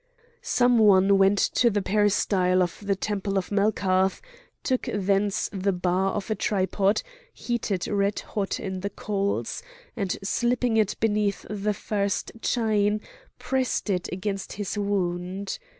Some one went to the peristyle of the temple of Melkarth, took thence the bar of a tripod, heated red hot in the coals, and, slipping it beneath the first chain, pressed it against his wound.